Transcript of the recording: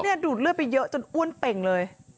นี่ดูดเลือดไปเยอะจนอ้วนเป่งเลย